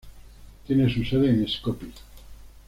Tiene su sede en Skopie.